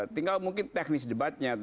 tinggal mungkin teknis debatnya